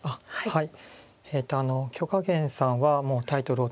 はい。